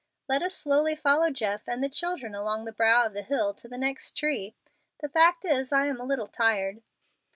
Let us slowly follow Jeff and the children along the brow of the hill to the next tree. The fact is I am a little tired."